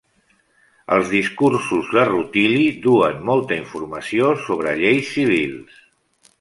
Els discursos de Rutili duen molta informació sobre lleis civils.